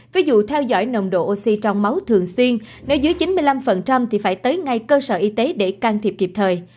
ví dụ theo dõi nồng độ oxy trong máu thường xuyên nếu dưới chín mươi năm thì phải tới ngay cơ sở y tế để can thiệp kịp thời